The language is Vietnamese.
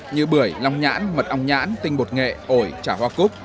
như bưởi long nhãn mật ong nhãn tinh bột nghệ ổi trà hoa cúc